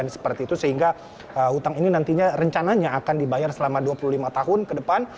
seperti itu sehingga hutang ini nantinya rencananya akan dibayar selama dua puluh lima tahun ke depan